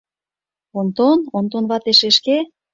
— Онтон, Онтон вате шешке!